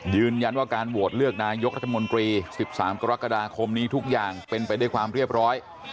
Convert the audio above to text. ยืนยันว่าการโหวตเลือกนายกรัฐมนตรี๑๓กรกฎาคมนี้ทุกอย่างเป็นไปด้วยความเรียบร้อย